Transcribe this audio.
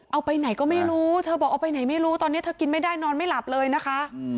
เอาไปไหนก็ไม่รู้เธอบอกเอาไปไหนไม่รู้ตอนนี้เธอกินไม่ได้นอนไม่หลับเลยนะคะ